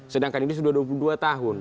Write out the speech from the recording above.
sedangkan ini sudah dua puluh dua tahun